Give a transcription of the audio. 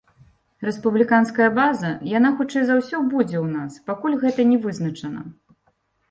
Рэспубліканская база, яна, хутчэй за ўсё, будзе ў нас, пакуль гэта не вызначана.